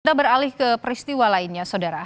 kita beralih ke peristiwa lainnya saudara